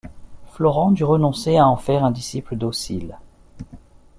Florent dut renoncer à en faire un disciple docile.